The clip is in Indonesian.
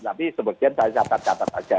tapi sebagian saya catat catat saja